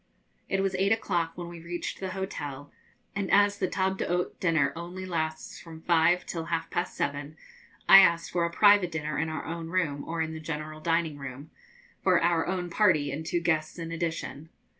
It was eight o'clock when we reached the hotel, and as the table d'hôte dinner only lasts from five till half past seven, I asked for a private dinner in our own room or in the general dining room, for our own party and two guests in addition.